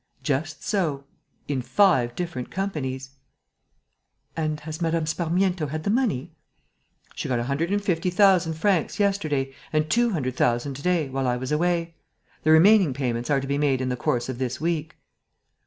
"Just so. In five different companies." "And has Mme. Sparmiento had the money?" "She got a hundred and fifty thousand francs yesterday and two hundred thousand to day, while I was away. The remaining payments are to be made in the course of this week."